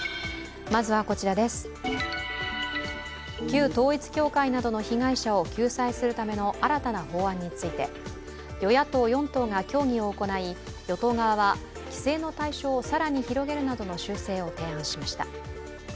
旧統一教会などの被害者を救済するための新たな法案について与野党４党が協議を行い与党側は、規制の対象を更に広げるなどの修正を提案しました。